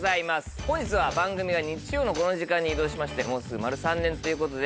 本日は番組が日曜のこの時間に移動しましてもうすぐ丸３年ということで。